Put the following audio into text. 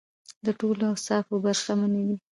له ټولو اوصافو برخمنې دي.